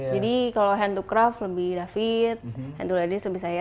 jadi kalau hand to craft lebih david hand to ladies lebih saya